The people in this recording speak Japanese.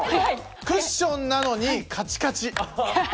クッションなのにカチカチ。